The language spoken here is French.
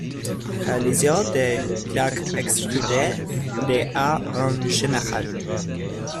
Réalisation de plaques extrudées de à en général.